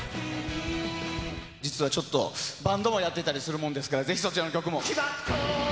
実はちょっと、バンドもやってたりするもんですから、ぜひそちらの曲も。